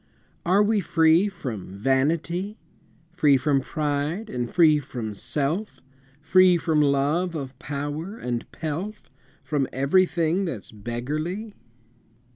Are we free from vanity, Free from pride, and free from self, Free from love of power and pelf, From everything that's beggarly?